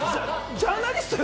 ジャーナリストよ？